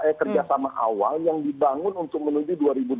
eh kerjasama awal yang dibangun untuk menuju dua ribu dua puluh